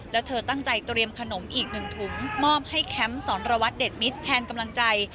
แล้วเธอตั้งใจเตรียมขนมอีก๑ถุงมอบให้แคมป์สอนระวัตรเด็ดมิตรแทนกำลังใจ